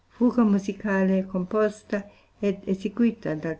Fuga musicale, composta ed eseguita dal.